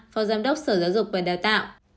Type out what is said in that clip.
phó giám đốc sở giáo dục và đào tạo